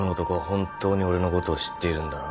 本当に俺のことを知っているんだな？